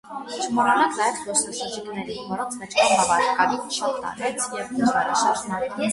Չմոռանանք նաև զբոսաշրջիկներին, որոնց մեջ կան բավականին շատ տարեց և դժվարաշարժ մարդիկ։